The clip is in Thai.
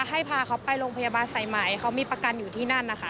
ให้พาเขาไปโรงพยาบาลสายใหม่เขามีประกันอยู่ที่นั่นนะคะ